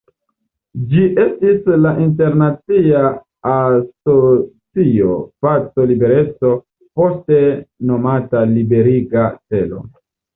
Ĝi estis la Internacia Asocio Paco-Libereco, poste nomata Liberiga Stelo.